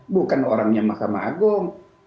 bukan orangnya mahkamah agung